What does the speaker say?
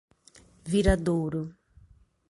Viradouro